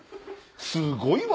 すごいわ！